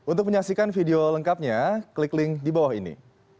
untuk menyaksikan video lengkapnya klik link di bawah ini